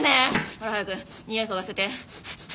ほら早くにおい嗅がせて。